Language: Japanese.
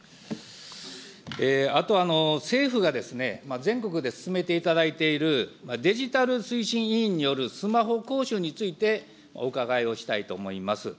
あと、政府が全国で進めていただいている、デジタル推進委員によるスマホ講習について、お伺いをしたいと思います。